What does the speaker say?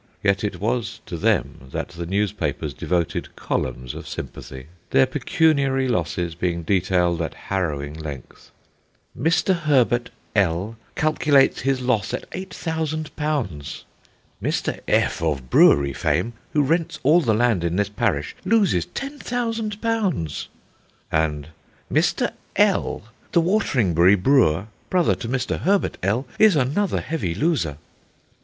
Yet it was to them that the newspapers devoted columns of sympathy, their pecuniary losses being detailed at harrowing length. "Mr. Herbert L calculates his loss at £8000;" "Mr. F , of brewery fame, who rents all the land in this parish, loses £10,000;" and "Mr. L , the Wateringbury brewer, brother to Mr. Herbert L , is another heavy loser."